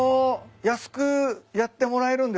安くやってもらえるんですか？